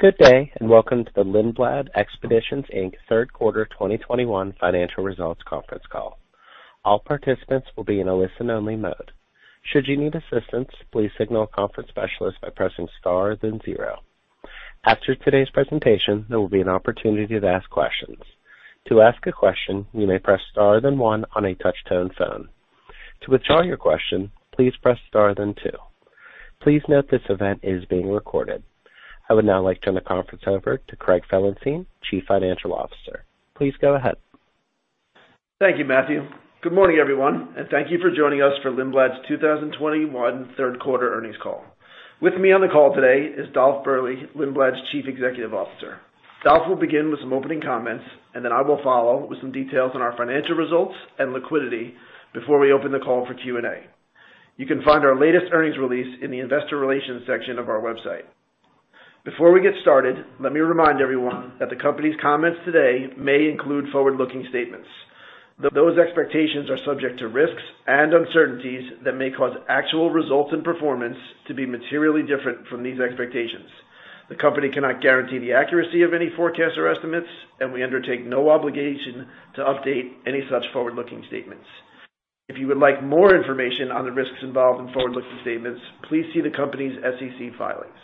Good day, and welcome to the Lindblad Expeditions Inc third quarter 2021 financial results conference call. All participants will be in a listen-only mode. Should you need assistance, please signal a conference specialist by pressing star, then zero. After today's presentation, there will be an opportunity to ask questions. To ask a question, you may press star then one on a touch-tone phone. To withdraw your question, please press star then two. Please note this event is being recorded. I would now like to turn the conference over to Craig Felenstein, Chief Financial Officer. Please go ahead. Thank you, Matthew. Good morning, everyone, and thank you for joining us for Lindblad's 2021 third quarter earnings call. With me on the call today is Dolf Berle, Lindblad's Chief Executive Officer. Dolf will begin with some opening comments, and then I will follow with some details on our financial results and liquidity before we open the call for Q&A. You can find our latest earnings release in the investor relations section of our website. Before we get started, let me remind everyone that the company's comments today may include forward-looking statements. Those expectations are subject to risks and uncertainties that may cause actual results and performance to be materially different from these expectations. The company cannot guarantee the accuracy of any forecasts or estimates, and we undertake no obligation to update any such forward-looking statements. If you would like more information on the risks involved in forward-looking statements, please see the company's SEC filings.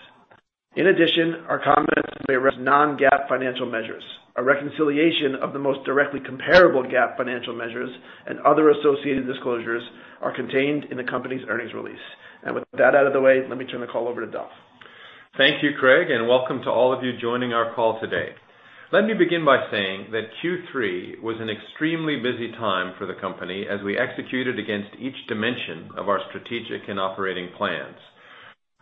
In addition, our comments may reference non-GAAP financial measures. A reconciliation of the most directly comparable GAAP financial measures and other associated disclosures are contained in the company's earnings release. With that out of the way, let me turn the call over to Dolf. Thank you, Craig, and welcome to all of you joining our call today. Let me begin by saying that Q3 was an extremely busy time for the company as we executed against each dimension of our strategic and operating plans.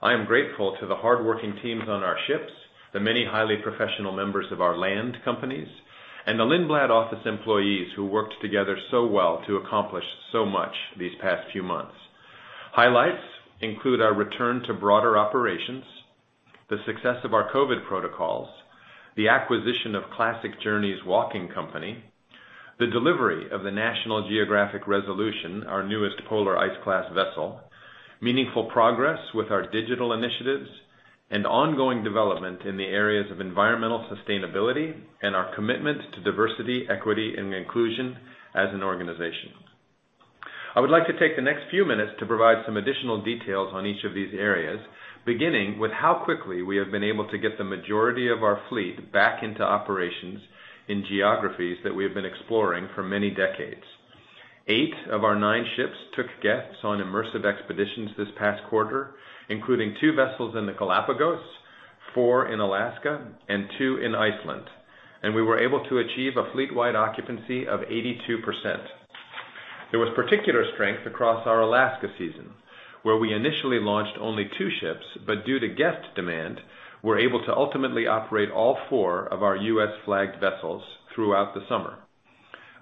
I am grateful to the hardworking teams on our ships, the many highly professional members of our land companies, and the Lindblad office employees who worked together so well to accomplish so much these past few months. Highlights include our return to broader operations, the success of our COVID protocols, the acquisition of Classic Journeys, the delivery of the National Geographic Resolution, our newest polar ice-class vessel, meaningful progress with our digital initiatives, and ongoing development in the areas of environmental sustainability and our commitment to diversity, equity, and inclusion as an organization. I would like to take the next few minutes to provide some additional details on each of these areas, beginning with how quickly we have been able to get the majority of our fleet back into operations in geographies that we have been exploring for many decades. Eight of our nine ships took guests on immersive expeditions this past quarter, including two vessels in the Galápagos, four in Alaska, and two in Iceland. We were able to achieve a fleet-wide occupancy of 82%. There was particular strength across our Alaska season, where we initially launched only two ships, but due to guest demand, we're able to ultimately operate all four of our U.S.-flagged vessels throughout the summer.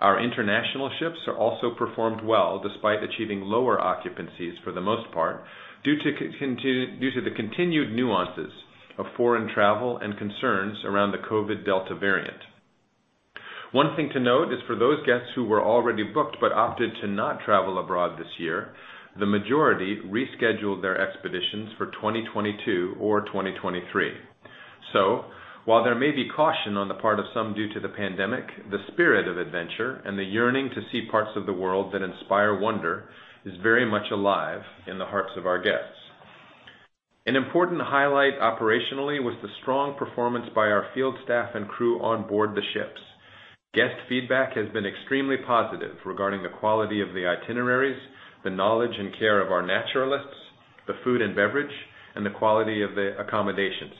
Our international ships are also performed well despite achieving lower occupancies for the most part due to the continued nuances of foreign travel and concerns around the COVID Delta variant. One thing to note is for those guests who were already booked but opted to not travel abroad this year, the majority rescheduled their expeditions for 2022 or 2023. While there may be caution on the part of some due to the pandemic, the spirit of adventure and the yearning to see parts of the world that inspire wonder is very much alive in the hearts of our guests. An important highlight operationally was the strong performance by our field staff and crew on board the ships. Guest feedback has been extremely positive regarding the quality of the itineraries, the knowledge and care of our naturalists, the food and beverage, and the quality of the accommodations.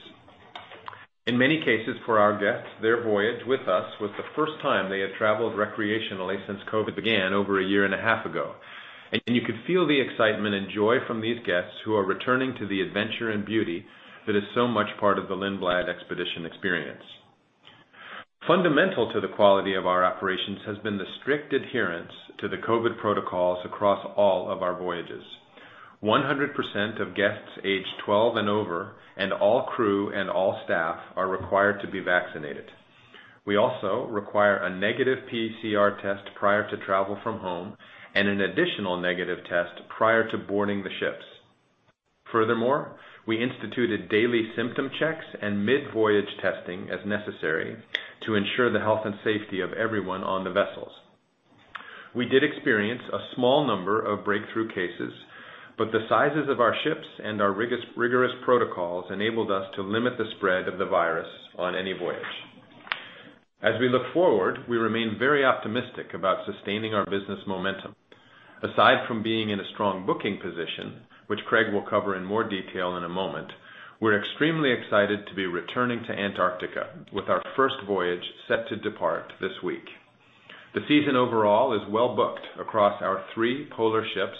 In many cases for our guests, their voyage with us was the first time they had traveled recreationally since COVID began over a year and a half ago. You could feel the excitement and joy from these guests who are returning to the adventure and beauty that is so much part of the Lindblad Expeditions experience. Fundamental to the quality of our operations has been the strict adherence to the COVID protocols across all of our voyages. 100% of guests aged 12 and over, and all crew and all staff are required to be vaccinated. We also require a negative PCR test prior to travel from home and an additional negative test prior to boarding the ships. Furthermore, we instituted daily symptom checks and mid-voyage testing as necessary to ensure the health and safety of everyone on the vessels. We did experience a small number of breakthrough cases, but the sizes of our ships and our rigorous protocols enabled us to limit the spread of the virus on any voyage. As we look forward, we remain very optimistic about sustaining our business momentum. Aside from being in a strong booking position, which Craig will cover in more detail in a moment, we're extremely excited to be returning to Antarctica with our first voyage set to depart this week. The season overall is well booked across our three polar ships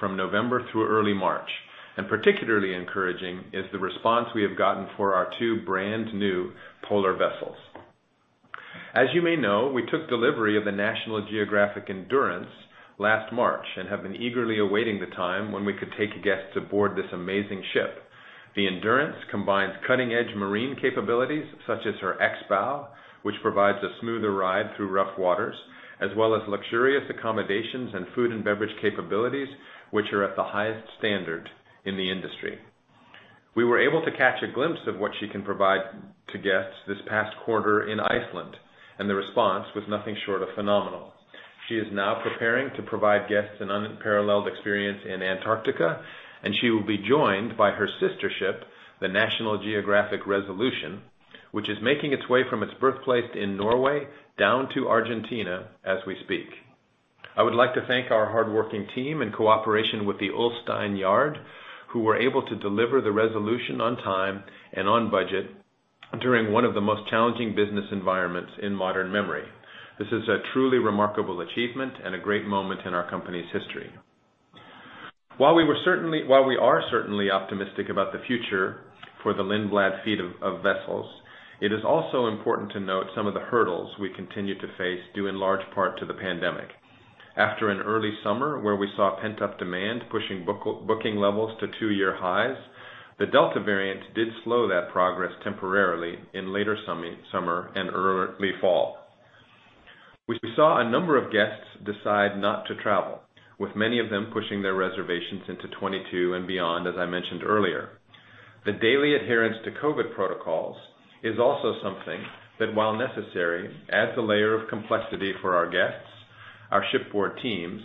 from November through early March, and particularly encouraging is the response we have gotten for our two brand-new polar vessels. As you may know, we took delivery of the National Geographic Endurance last March and have been eagerly awaiting the time when we could take guests aboard this amazing ship. The Endurance combines cutting-edge marine capabilities such as her X-BOW, which provides a smoother ride through rough waters, as well as luxurious accommodations and food and beverage capabilities, which are at the highest standard in the industry. We were able to catch a glimpse of what she can provide to guests this past quarter in Iceland, and the response was nothing short of phenomenal. She is now preparing to provide guests an unparalleled experience in Antarctica, and she will be joined by her sister ship, the National Geographic Resolution, which is making its way from its birthplace in Norway down to Argentina as we speak. I would like to thank our hardworking team in cooperation with the Ulstein yard, who were able to deliver the Resolution on time and on budget during one of the most challenging business environments in modern memory. This is a truly remarkable achievement and a great moment in our company's history. While we are certainly optimistic about the future for the Lindblad fleet of vessels, it is also important to note some of the hurdles we continue to face due in large part to the pandemic. After an early summer where we saw pent-up demand pushing booking levels to two-year highs, the Delta variant did slow that progress temporarily in later summer and early fall. We saw a number of guests decide not to travel, with many of them pushing their reservations into 2022 and beyond, as I mentioned earlier. The daily adherence to COVID protocols is also something that, while necessary, adds a layer of complexity for our guests, our shipboard teams,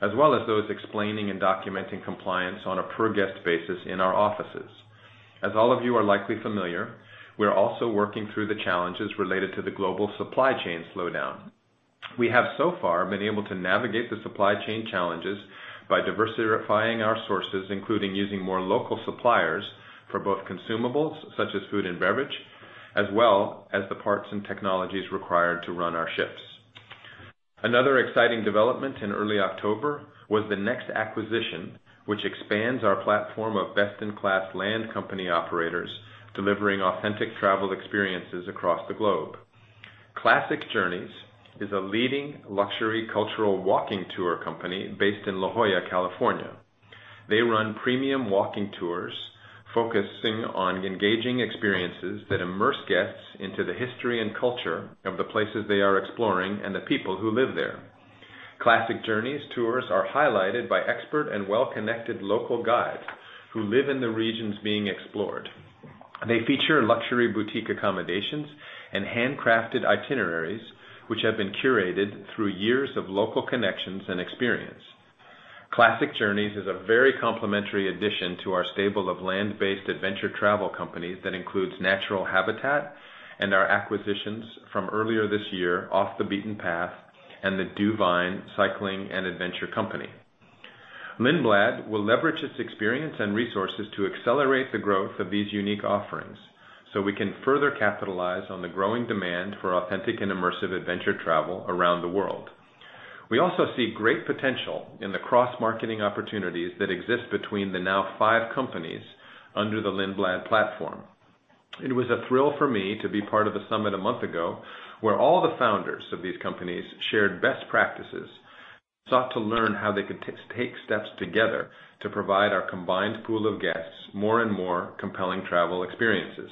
as well as those explaining and documenting compliance on a per guest basis in our offices. As all of you are likely familiar, we're also working through the challenges related to the global supply chain slowdown. We have so far been able to navigate the supply chain challenges by diversifying our sources, including using more local suppliers for both consumables such as food and beverage, as well as the parts and technologies required to run our ships. Another exciting development in early October was the next acquisition, which expands our platform of best-in-class land company operators delivering authentic travel experiences across the globe. Classic Journeys is a leading luxury cultural walking tour company based in La Jolla, California. They run premium walking tours focusing on engaging experiences that immerse guests into the history and culture of the places they are exploring and the people who live there. Classic Journeys tours are highlighted by expert and well-connected local guides who live in the regions being explored. They feature luxury boutique accommodations and handcrafted itineraries, which have been curated through years of local connections and experience. Classic Journeys is a very complementary addition to our stable of land-based adventure travel companies that includes Natural Habitat and our acquisitions from earlier this year, Off the Beaten Path and the DuVine Cycling + Adventure Co. Lindblad will leverage its experience and resources to accelerate the growth of these unique offerings so we can further capitalize on the growing demand for authentic and immersive adventure travel around the world. We also see great potential in the cross-marketing opportunities that exist between the now five companies under the Lindblad platform. It was a thrill for me to be part of the summit a month ago, where all the founders of these companies shared best practices, sought to learn how they could take steps together to provide our combined pool of guests more and more compelling travel experiences.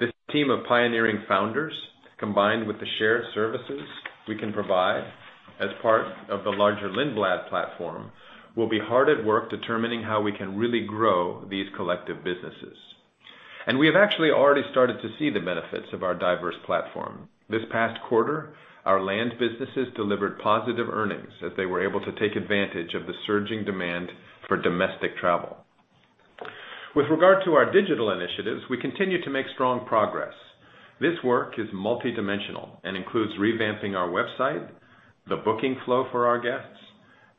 This team of pioneering founders, combined with the shared services we can provide as part of the larger Lindblad platform, will be hard at work determining how we can really grow these collective businesses. We have actually already started to see the benefits of our diverse platform. This past quarter, our land businesses delivered positive earnings as they were able to take advantage of the surging demand for domestic travel. With regard to our digital initiatives, we continue to make strong progress. This work is multidimensional and includes revamping our website, the booking flow for our guests,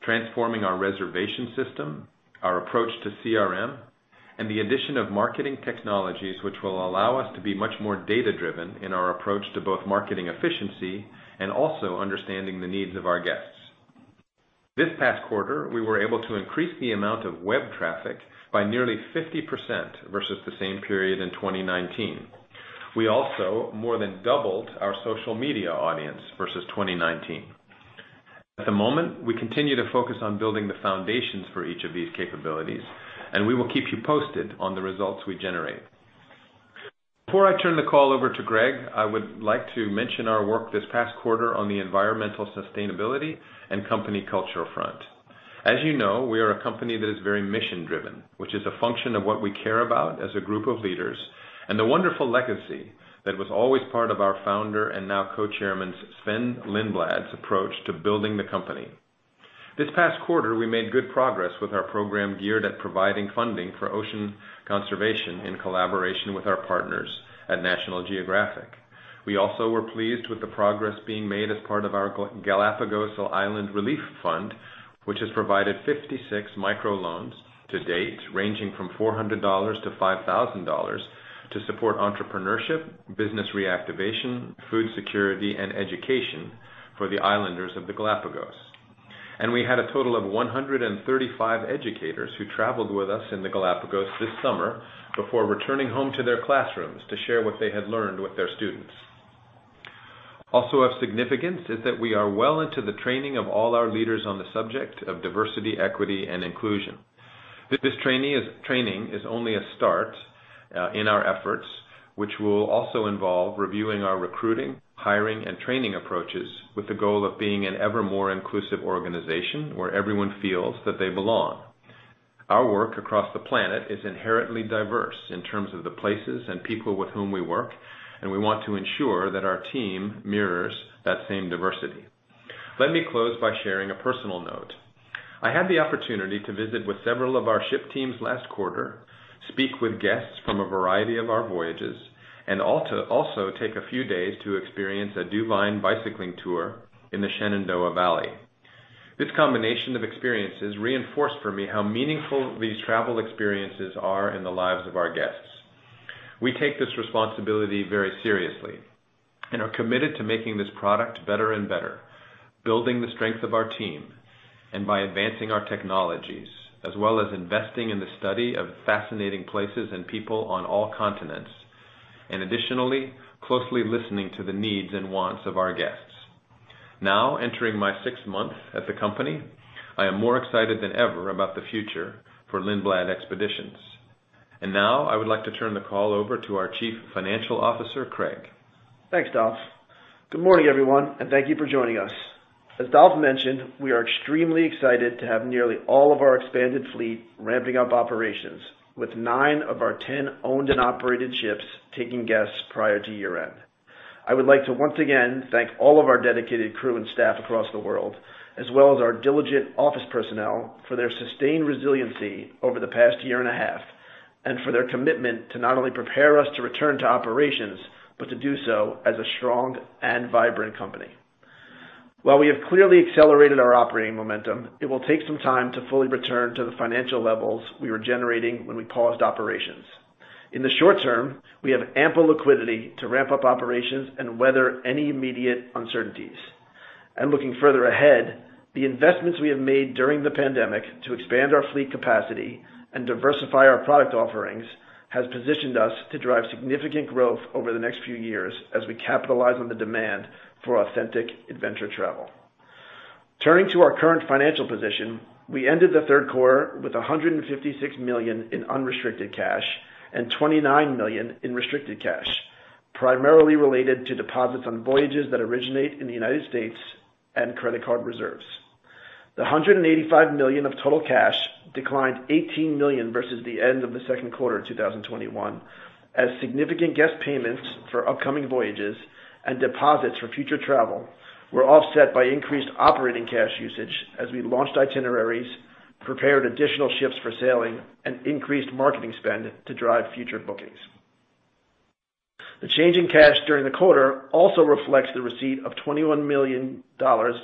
transforming our reservation system, our approach to CRM, and the addition of marketing technologies, which will allow us to be much more data-driven in our approach to both marketing efficiency and also understanding the needs of our guests. This past quarter, we were able to increase the amount of web traffic by nearly 50% versus the same period in 2019. We also more than doubled our social media audience versus 2019. At the moment, we continue to focus on building the foundations for each of these capabilities, and we will keep you posted on the results we generate. Before I turn the call over to Craig, I would like to mention our work this past quarter on the environmental sustainability and company culture front. As you know, we are a company that is very mission-driven, which is a function of what we care about as a group of leaders and the wonderful legacy that was always part of our founder and now co-chairman Sven Lindblad's approach to building the company. This past quarter, we made good progress with our program geared at providing funding for ocean conservation in collaboration with our partners at National Geographic. We also were pleased with the progress being made as part of our Galápagos Island Relief Fund, which has provided 56 microloans to date ranging from $400 to 5,000 to support entrepreneurship, business reactivation, food security, and education for the islanders of the Galapagos. We had a total of 135 educators who traveled with us in the Galápagos this summer before returning home to their classrooms to share what they had learned with their students. Also of significance is that we are well into the training of all our leaders on the subject of diversity, equity, and inclusion. This training is only a start in our efforts, which will also involve reviewing our recruiting, hiring, and training approaches with the goal of being an ever more inclusive organization where everyone feels that they belong. Our work across the planet is inherently diverse in terms of the places and people with whom we work, and we want to ensure that our team mirrors that same diversity. Let me close by sharing a personal note. I had the opportunity to visit with several of our ship teams last quarter, speak with guests from a variety of our voyages, and also take a few days to experience a DuVine bicycling tour in the Shenandoah Valley. This combination of experiences reinforced for me how meaningful these travel experiences are in the lives of our guests. We take this responsibility very seriously and are committed to making this product better and better, building the strength of our team, and by advancing our technologies, as well as investing in the study of fascinating places and people on all continents, and additionally, closely listening to the needs and wants of our guests. Now, entering my sixth month at the company, I am more excited than ever about the future for Lindblad Expeditions. Now I would like to turn the call over to our Chief Financial Officer, Craig. Thanks, Dolf. Good morning, everyone, and thank you for joining us. As Dolf mentioned, we are extremely excited to have nearly all of our expanded fleet ramping up operations with nine of our 10 owned and operated ships taking guests prior to year-end. I would like to once again thank all of our dedicated crew and staff across the world, as well as our diligent office personnel for their sustained resiliency over the past year and a half, and for their commitment to not only prepare us to return to operations, but to do so as a strong and vibrant company. While we have clearly accelerated our operating momentum, it will take some time to fully return to the financial levels we were generating when we paused operations. In the short term, we have ample liquidity to ramp up operations and weather any immediate uncertainties. Looking further ahead, the investments we have made during the pandemic to expand our fleet capacity and diversify our product offerings has positioned us to drive significant growth over the next few years as we capitalize on the demand for authentic adventure travel. Turning to our current financial position, we ended the third quarter with $156 million in unrestricted cash and $29 million in restricted cash, primarily related to deposits on voyages that originate in the United States and credit card reserves. The $185 million of total cash declined $18 million versus the end of the second quarter of 2021, as significant guest payments for upcoming voyages and deposits for future travel were offset by increased operating cash usage as we launched itineraries, prepared additional ships for sailing, and increased marketing spend to drive future bookings. The change in cash during the quarter also reflects the receipt of $21 million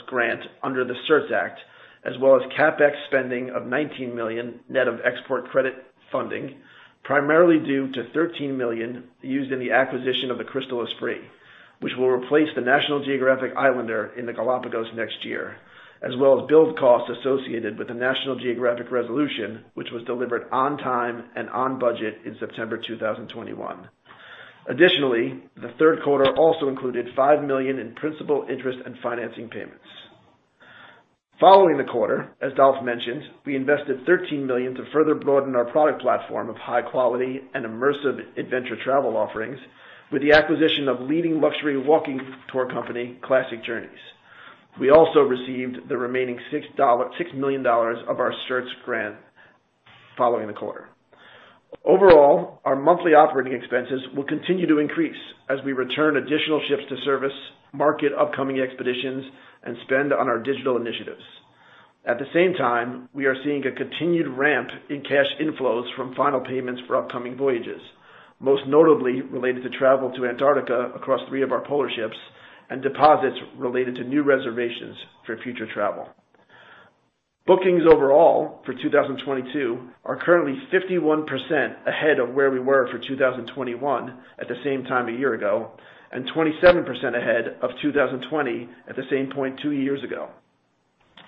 grant under the CERTS Act, as well as CapEx spending of $19 million net of export credit funding, primarily due to $13 million used in the acquisition of the Crystal Esprit, which will replace the National Geographic Islander in the Galápagos next year, as well as build costs associated with the National Geographic Resolution, which was delivered on time and on budget in September 2021. Additionally, the third quarter also included $5 million in principal, interest, and financing payments. Following the quarter, as Dolf mentioned, we invested $13 million to further broaden our product platform of high quality and immersive adventure travel offerings with the acquisition of leading luxury walking tour company, Classic Journeys. We also received the remaining $6 million of our CERTS grant following the quarter. Overall, our monthly operating expenses will continue to increase as we return additional ships to service, market upcoming expeditions, and spend on our digital initiatives. At the same time, we are seeing a continued ramp in cash inflows from final payments for upcoming voyages, most notably related to travel to Antarctica across three of our polar ships and deposits related to new reservations for future travel. Bookings overall for 2022 are currently 51% ahead of where we were for 2021 at the same time a year ago, and 27% ahead of 2020 at the same point two years ago.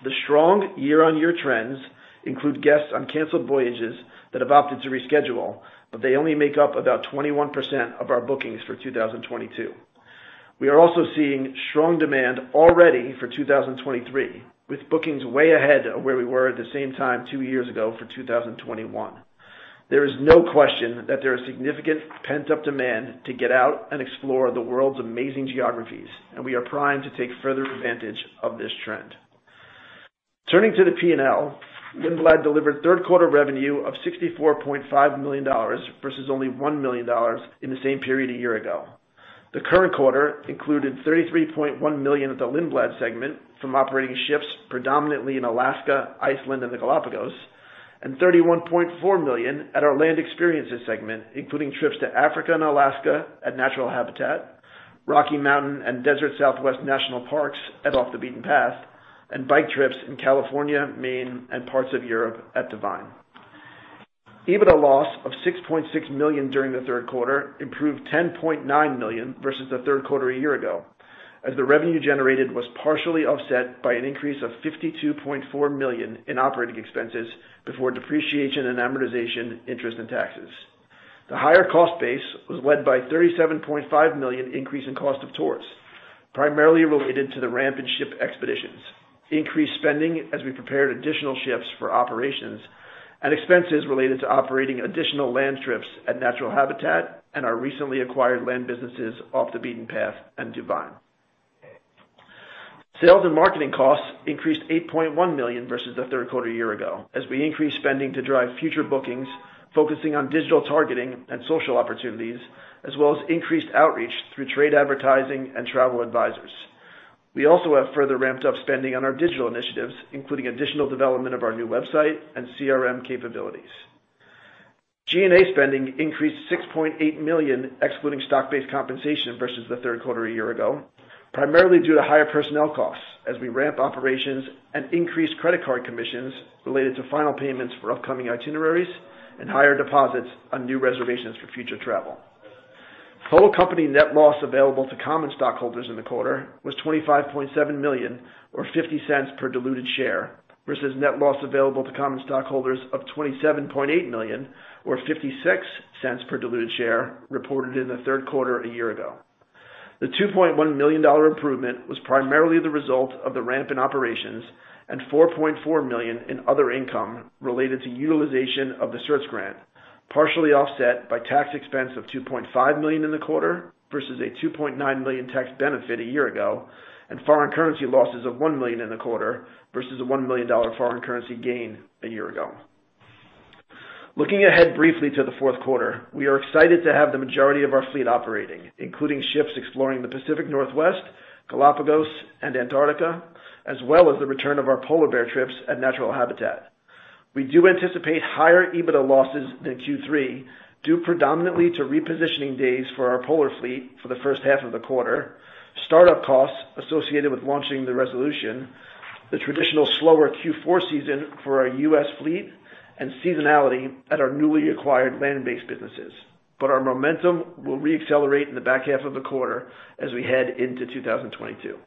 The strong year-on-year trends include guests on canceled voyages that have opted to reschedule, but they only make up about 21% of our bookings for 2022. We are also seeing strong demand already for 2023, with bookings way ahead of where we were at the same time two years ago for 2021. There is no question that there is significant pent-up demand to get out and explore the world's amazing geographies, and we are primed to take further advantage of this trend. Turning to the P&L, Lindblad delivered third quarter revenue of $64.5 million, versus only $1 million in the same period a year ago. The current quarter included $33.1 million at the Lindblad segment from operating ships predominantly in Alaska, Iceland, and the Galápagos, and $31.4 million at our Land Experiences segment, including trips to Africa and Alaska at Natural Habitat, Rocky Mountain and Desert Southwest National Parks at Off the Beaten Path, and bike trips in California, Maine, and parts of Europe at DuVine. EBITDA loss of $6.6 million during the third quarter improved $10.9 million versus the third quarter a year ago, as the revenue generated was partially offset by an increase of $52.4 million in operating expenses before depreciation and amortization interest and taxes. The higher cost base was led by $37.5 million increase in cost of tours. Primarily related to the ramp in ship expeditions, increased spending as we prepared additional ships for operations and expenses related to operating additional land trips at Natural Habitat and our recently acquired land businesses, Off the Beaten Path and DuVine. Sales and marketing costs increased $8.1 million versus the third quarter a year ago as we increased spending to drive future bookings, focusing on digital targeting and social opportunities, as well as increased outreach through trade advertising and travel advisors. We also have further ramped up spending on our digital initiatives, including additional development of our new website and CRM capabilities. G&A spending increased $6.8 million excluding stock-based compensation versus the third quarter a year ago, primarily due to higher personnel costs as we ramp operations and increase credit card commissions related to final payments for upcoming itineraries and higher deposits on new reservations for future travel. Full company net loss available to common stockholders in the quarter was $25.7 million or $0.50 per diluted share versus net loss available to common stockholders of $27.8 million or $0.56 per diluted share reported in the third quarter a year ago. The $2.1 million improvement was primarily the result of the ramp in operations and $4.4 million in other income related to utilization of the CERTS grant, partially offset by tax expense of $2.5 million in the quarter versus a $2.9 million tax benefit a year ago, and foreign currency losses of $1 million in the quarter versus a $1 million foreign currency gain a year ago. Looking ahead briefly to the fourth quarter, we are excited to have the majority of our fleet operating, including ships exploring the Pacific Northwest, Galápagos and Antarctica, as well as the return of our polar bear trips at Natural Habitat. We do anticipate higher EBITDA losses than Q3, due predominantly to repositioning days for our polar fleet for the first half of the quarter, start-up costs associated with launching the Resolution, the traditional slower Q4 season for our U.S. fleet and seasonality at our newly acquired land-based businesses. Our momentum will re-accelerate in the back half of the quarter as we head into 2022.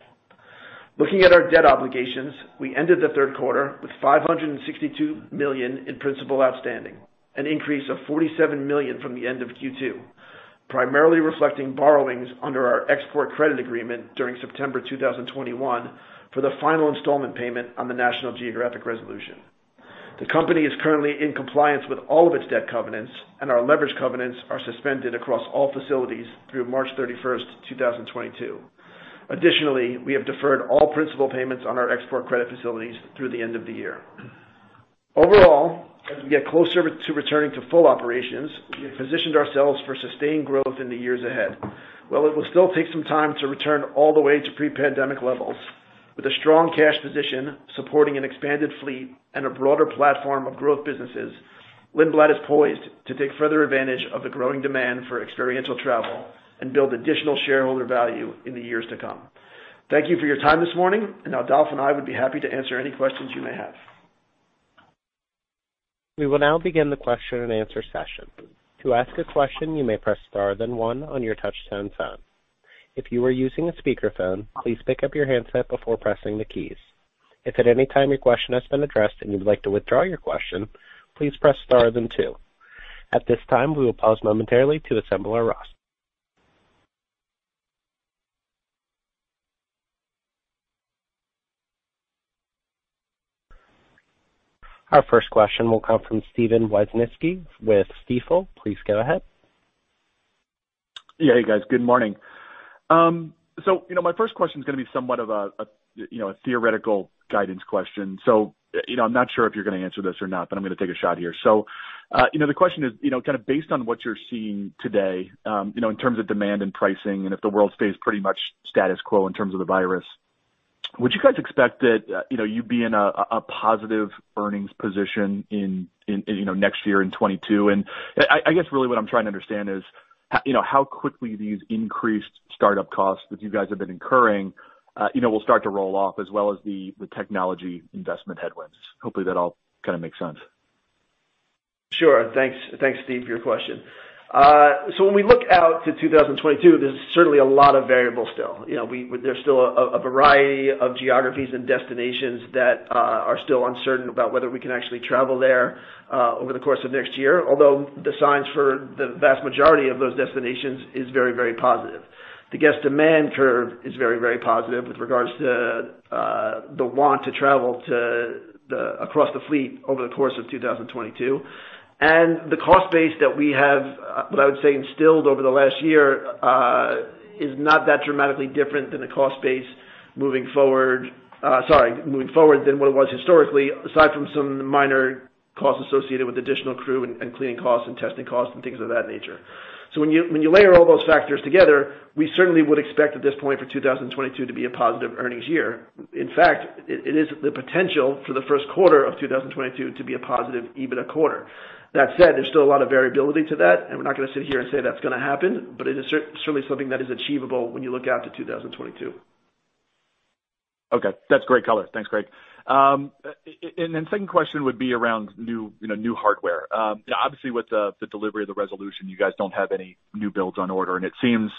Looking at our debt obligations, we ended the third quarter with $562 million in principal outstanding, an increase of $47 million from the end of Q2, primarily reflecting borrowings under our export credit agreement during September 2021 for the final installment payment on the National Geographic Resolution. The company is currently in compliance with all of its debt covenants, and our leverage covenants are suspended across all facilities through March 31st, 2022. Additionally, we have deferred all principal payments on our export credit facilities through the end of the year. Overall, as we get closer to returning to full operations, we have positioned ourselves for sustained growth in the years ahead. While it will still take some time to return all the way to pre-pandemic levels, with a strong cash position supporting an expanded fleet and a broader platform of growth businesses, Lindblad is poised to take further advantage of the growing demand for experiential travel and build additional shareholder value in the years to come. Thank you for your time this morning, and now Dolf and I would be happy to answer any questions you may have. We will now begin the question-and-answer session. To ask a question, you may press star then one on your touch-tone phone. If you are using a speakerphone, please pick up your handset before pressing the keys. If at any time your question has been addressed and you would like to withdraw your question, please press star then two. At this time, we will pause momentarily to assemble our roster. Our first question will come from Steven Wieczynski with Stifel. Please go ahead. Yeah, hey, guys. Good morning. My first question is gonna be somewhat of a you know a theoretical guidance question. You know, I'm not sure if you're gonna answer this or not, but I'm gonna take a shot here. You know, the question is you know kind of based on what you're seeing today you know in terms of demand and pricing, and if the world stays pretty much status quo in terms of the virus, would you guys expect that you know you'd be in a positive earnings position in you know next year in 2022? I guess really what I'm trying to understand is you know how quickly these increased startup costs that you guys have been incurring you know will start to roll off as well as the technology investment headwinds. Hopefully that all kind of makes sense. Sure. Thanks, Steve, for your question. So when we look out to 2022, there's certainly a lot of variables still. There's still a variety of geographies and destinations that are still uncertain about whether we can actually travel there over the course of next year, although the signs for the vast majority of those destinations is very, very positive. The guest demand curve is very, very positive with regards to the want to travel across the fleet over the course of 2022. The cost base that we have, what I would say, instilled over the last year, is not that dramatically different than the cost base moving forward. Sorry, moving forward than what it was historically, aside from some minor costs associated with additional crew and cleaning costs and testing costs and things of that nature. When you layer all those factors together, we certainly would expect at this point for 2022 to be a positive earnings year. In fact, it is the potential for the first quarter of 2022 to be a positive EBITDA quarter. That said, there's still a lot of variability to that, and we're not gonna sit here and say that's gonna happen, but it is certainly something that is achievable when you look out to 2022. Okay, that's great color. Thanks, Craig. Then second question would be around new, you know, new hardware. Obviously with the delivery of the Resolution, you guys don't have any new builds on order. It seems as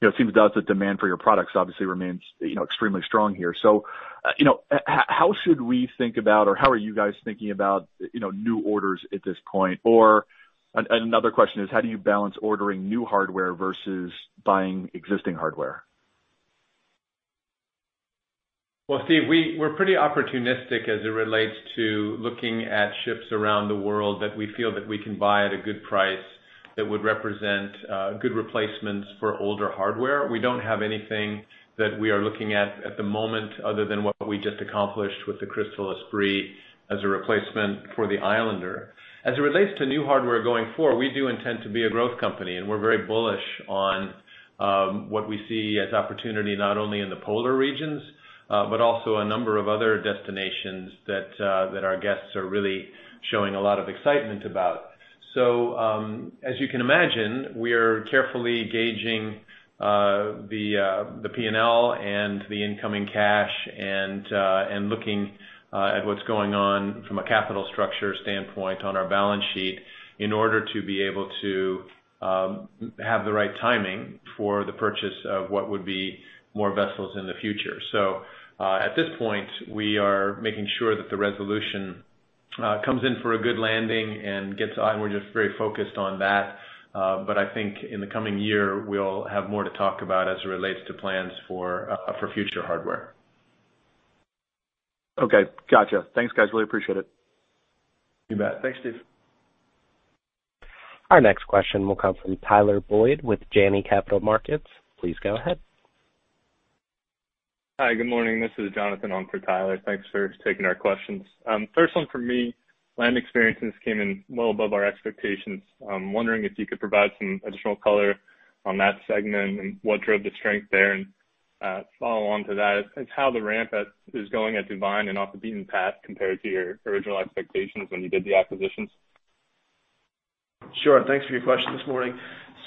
though the demand for your products obviously remains, you know, extremely strong here. You know, how should we think about or how are you guys thinking about, you know, new orders at this point? Another question is, how do you balance ordering new hardware versus buying existing hardware? Well, Steve, we're pretty opportunistic as it relates to looking at ships around the world that we feel that we can buy at a good price that would represent good replacements for older hardware. We don't have anything that we are looking at at the moment other than what we just accomplished with the Crystal Esprit as a replacement for the Islander. As it relates to new hardware going forward, we do intend to be a growth company, and we're very bullish on what we see as opportunity not only in the polar regions, but also a number of other destinations that our guests are really showing a lot of excitement about. As you can imagine, we are carefully gauging the P&L and the incoming cash and looking at what's going on from a capital structure standpoint on our balance sheet in order to be able to have the right timing for the purchase of what would be more vessels in the future. At this point, we are making sure that the Resolution comes in for a good landing and gets on. We're just very focused on that. I think in the coming year, we'll have more to talk about as it relates to plans for future hardware. Okay. Gotcha. Thanks, guys. Really appreciate it. You bet. Thanks, Steve. Our next question will come from Tyler Batory with Janney Capital Markets. Please go ahead. Hi, good morning. This is Jonathan on for Tyler. Thanks for taking our questions. First one from me. Land Experiences came in well above our expectations. I'm wondering if you could provide some additional color on that segment and what drove the strength there. Follow on to that is how the ramp at DuVine and Off the Beaten Path is going compared to your original expectations when you did the acquisitions. Sure. Thanks for your question this morning.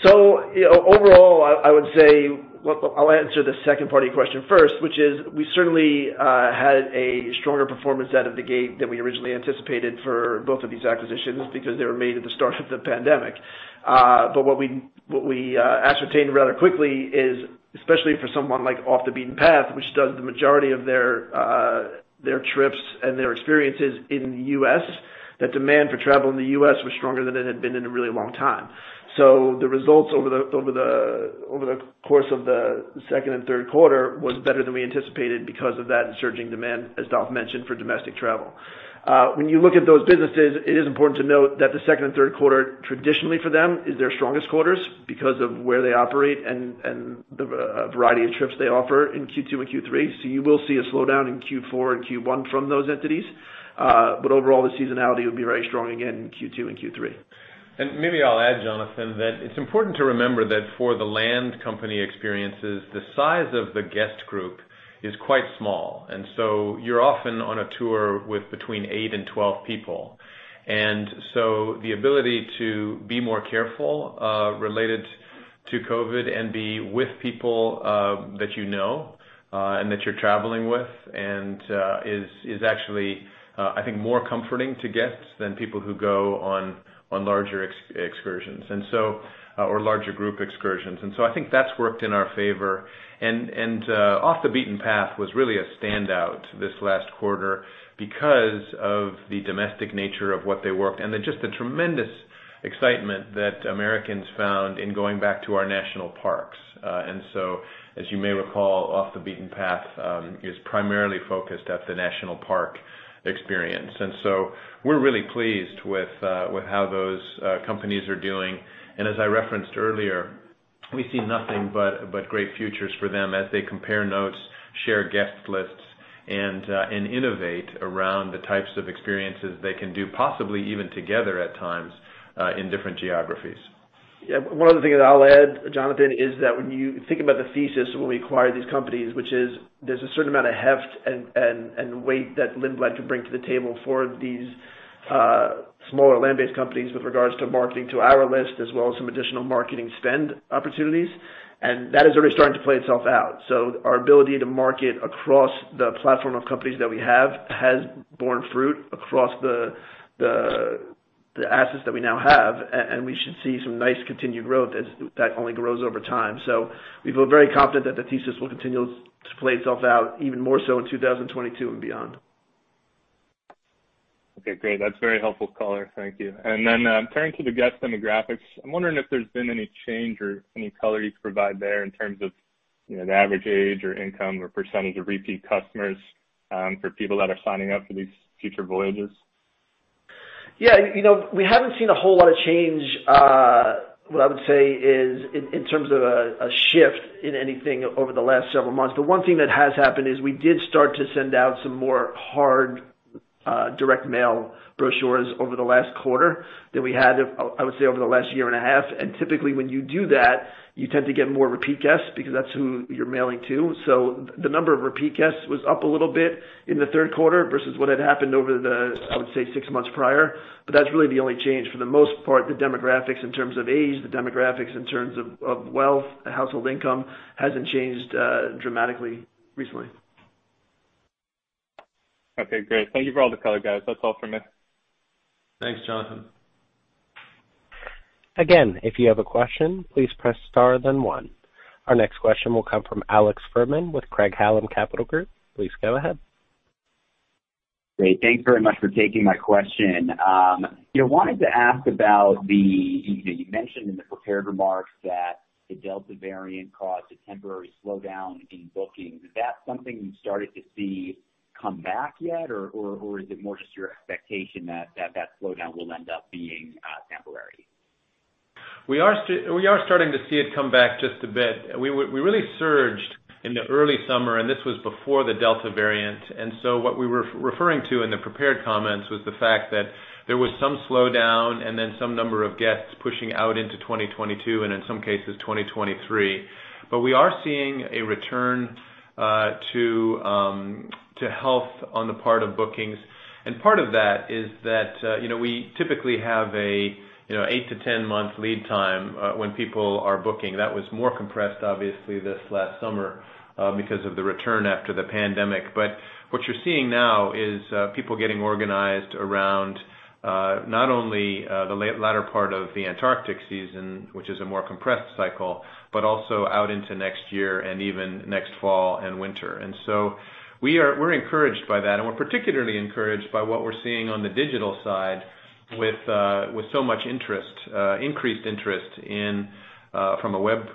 Overall, I would say I'll answer the second part of your question first, which is we certainly had a stronger performance out of the gate than we originally anticipated for both of these acquisitions because they were made at the start of the pandemic. But what we ascertained rather quickly is, especially for someone like Off the Beaten Path, which does the majority of their trips and their experiences in the U.S., that demand for travel in the U.S. was stronger than it had been in a really long time. The results over the course of the second and third quarter was better than we anticipated because of that surging demand, as Dolf mentioned, for domestic travel. When you look at those businesses, it is important to note that the second and third quarter, traditionally for them is their strongest quarters because of where they operate and the variety of trips they offer in Q2 and Q3. You will see a slowdown in Q4 and Q1 from those entities. Overall, the seasonality will be very strong again in Q2 and Q3. Maybe I'll add, Jonathan, that it's important to remember that for the Land Experiences, the size of the guest group is quite small, and so you're often on a tour with between eight and 12 people. The ability to be more careful related to COVID and be with people that you know and that you're traveling with is actually, I think, more comforting to guests than people who go on larger excursions or larger group excursions. I think that's worked in our favor. Off the Beaten Path was really a standout this last quarter because of the domestic nature of what they do and then just the tremendous excitement that Americans found in going back to our national parks. As you may recall, Off the Beaten Path is primarily focused at the National Park experience. We're really pleased with how those companies are doing. As I referenced earlier, we see nothing but great futures for them as they compare notes, share guest lists, and innovate around the types of experiences they can do, possibly even together at times, in different geographies. Yeah. One other thing that I'll add, Jonathan, is that when you think about the thesis when we acquired these companies, which is there's a certain amount of heft and weight that Lindblad could bring to the table for these smaller land-based companies with regards to marketing to our list, as well as some additional marketing spend opportunities. That is already starting to play itself out. Our ability to market across the platform of companies that we have has borne fruit across the assets that we now have, and we should see some nice continued growth as that only grows over time. We feel very confident that the thesis will continue to play itself out even more so in 2022 and beyond. Okay, great. That's very helpful color. Thank you. Turning to the guest demographics, I'm wondering if there's been any change or any color you could provide there in terms of, you know, the average age or income or percentage of repeat customers, for people that are signing up for these future voyages? Yeah. You know, we haven't seen a whole lot of change. What I would say is in terms of a shift in anything over the last several months, but one thing that has happened is we did start to send out some more hard direct mail brochures over the last quarter than we had, I would say, over the last year and a half. Typically, when you do that, you tend to get more repeat guests because that's who you're mailing to. The number of repeat guests was up a little bit in the third quarter versus what had happened over the, I would say, six months prior. That's really the only change. For the most part, the demographics in terms of age, the demographics in terms of wealth, household income hasn't changed dramatically recently. Okay, great. Thank you for all the color, guys. That's all for me. Thanks, Jonathan. Again, if you have a question, please press star then one. Our next question will come from Alex Fuhrman with Craig-Hallum Capital Group. Please go ahead. Great. Thanks very much for taking my question. Yeah, wanted to ask about the. You mentioned in the prepared remarks that the Delta variant caused a temporary slowdown in bookings. Is that something you've started to see come back yet or is it more just your expectation that that slowdown will end up being temporary? We are starting to see it come back just a bit. We really surged in the early summer, and this was before the Delta variant. What we were referring to in the prepared comments was the fact that there was some slowdown and then some number of guests pushing out into 2022, and in some cases, 2023. We are seeing a return to health on the part of bookings. Part of that is that, you know, we typically have a, you know, eight to 10-month lead time when people are booking. That was more compressed, obviously, this last summer, because of the return after the pandemic. What you're seeing now is people getting organized around not only the latter part of the Antarctic season, which is a more compressed cycle, but also out into next year and even next fall and winter. We're encouraged by that. We're particularly encouraged by what we're seeing on the digital side with so much interest, increased interest from a web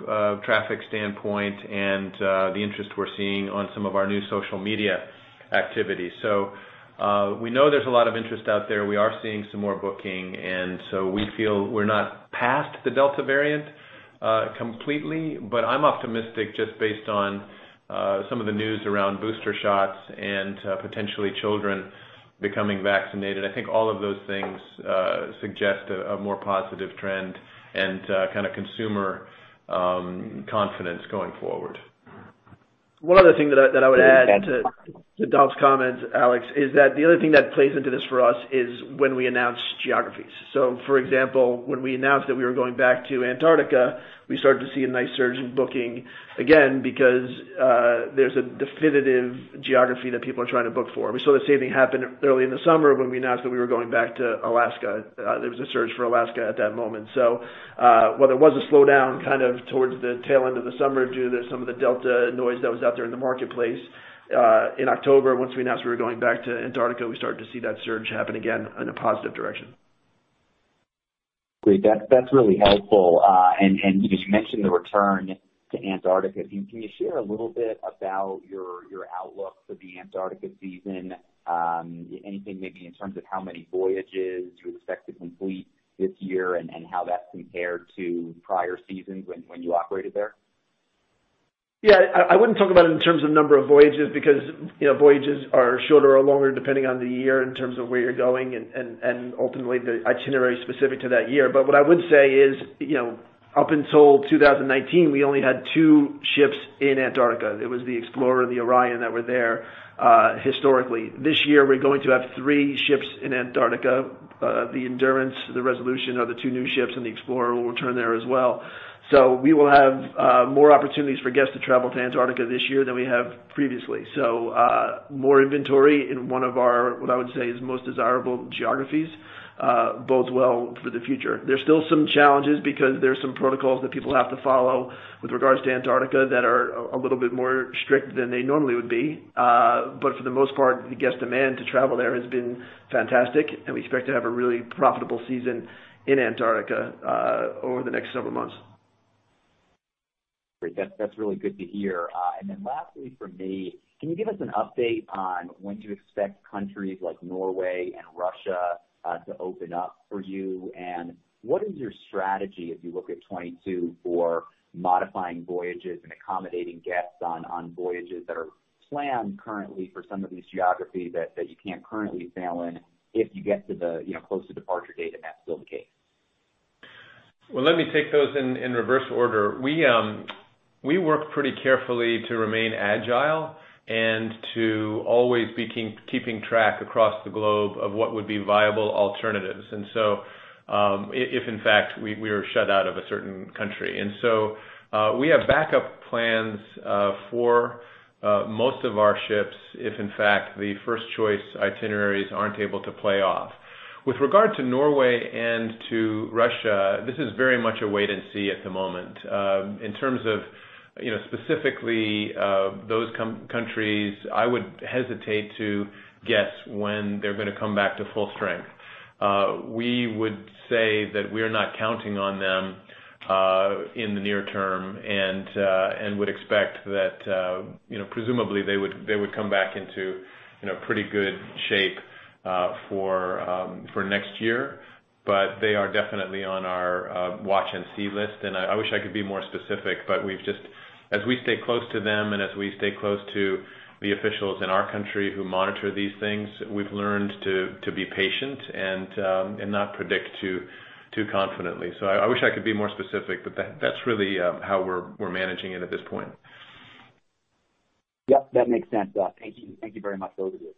traffic standpoint and the interest we're seeing on some of our new social media activities. We know there's a lot of interest out there. We are seeing some more booking, and so we feel we're not past the Delta variant completely. I'm optimistic just based on some of the news around booster shots and potentially children becoming vaccinated. I think all of those things suggest a more positive trend and kinda consumer confidence going forward. One other thing that I would add to Dolf's comments, Alex, is that the other thing that plays into this for us is when we announce geographies. For example, when we announced that we were going back to Antarctica, we started to see a nice surge in booking again because there's a definitive geography that people are trying to book for. We saw the same thing happen early in the summer when we announced that we were going back to Alaska. There was a surge for Alaska at that moment. While there was a slowdown kind of towards the tail end of the summer due to some of the Delta noise that was out there in the marketplace, in October, once we announced we were going back to Antarctica, we started to see that surge happen again in a positive direction. Great. That's really helpful. You mentioned the return to Antarctica. Can you share a little bit about your outlook for the Antarctica season? Anything maybe in terms of how many voyages you expect to complete this year and how that's compared to prior seasons when you operated there? Yeah. I wouldn't talk about it in terms of number of voyages because, you know, voyages are shorter or longer depending on the year in terms of where you're going and ultimately the itinerary specific to that year. What I would say is, you know, up until 2019, we only had two ships in Antarctica. It was the Explorer and the Orion that were there historically. This year, we're going to have three ships in Antarctica. The Endurance, the Resolution are the two new ships, and the Explorer will return there as well. We will have more opportunities for guests to travel to Antarctica this year than we have previously. More inventory in one of our, what I would say, is most desirable geographies bodes well for the future. There's still some challenges because there's some protocols that people have to follow with regards to Antarctica that are a little bit more strict than they normally would be. For the most part, the guest demand to travel there has been fantastic, and we expect to have a really profitable season in Antarctica over the next several months. Great. That's really good to hear. Then lastly from me, can you give us an update on when to expect countries like Norway and Russia to open up for you? What is your strategy as you look at 2022 for modifying voyages and accommodating guests on voyages that are planned currently for some of these geographies that you can't currently sail in if you get to the, you know, closer departure date and that's still the case? Well, let me take those in reverse order. We work pretty carefully to remain agile and to always be keeping track across the globe of what would be viable alternatives, if in fact we are shut out of a certain country. We have backup plans for most of our ships, if in fact the first choice itineraries aren't able to play out. With regard to Norway and to Russia, this is very much a wait and see at the moment. In terms of, you know, specifically, those countries, I would hesitate to guess when they're gonna come back to full strength. We would say that we're not counting on them in the near term, and would expect that, you know, presumably they would come back into, you know, pretty good shape for next year. They are definitely on our watch and see list. I wish I could be more specific. As we stay close to them and as we stay close to the officials in our country who monitor these things, we've learned to be patient and not predict too confidently. I wish I could be more specific, but that's really how we're managing it at this point. Yep, that makes sense. Thank you. Thank you very much, both of you.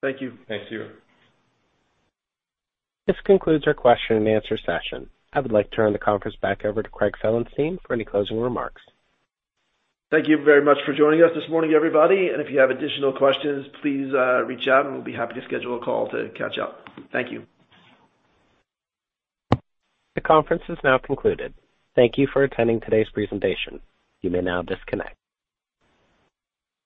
Thank you. Thanks to you. This concludes our question and answer session. I would like to turn the conference back over to Craig Felenstein for any closing remarks. Thank you very much for joining us this morning, everybody. If you have additional questions, please, reach out, and we'll be happy to schedule a call to catch up. Thank you. The conference is now concluded. Thank you for attending today's presentation. You may now disconnect.